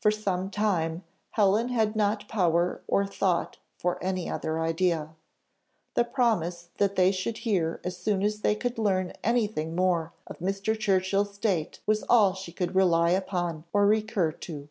For some time Helen had not power or thought for any other idea. The promise that they should hear as soon as they could learn any thing more of Mr. Churchill's state was all she could rely upon or recur to.